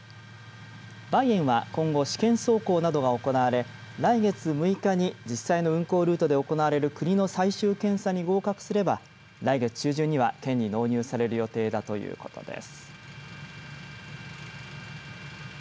Ｂａｉｅｎは今後試験走行などが行われ来月６日に実際の運航ルートで行われる国の最終検査に合格すれば来月中旬には県に納入される予定だということです。